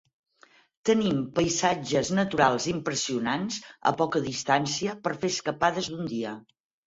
Tenim paisatges naturals impressionants a poca distància per fer escapades d'un dia.